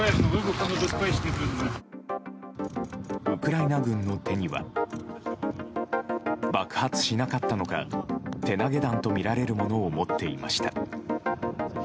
ウクライナ軍の手には爆発しなかったのか手投げ弾とみられるものを持っていました。